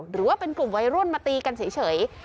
หรือว่าเป็นกลุ่มวัยรุ่นมาตีกันเฉย